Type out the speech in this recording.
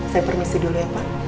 saya permisi dulu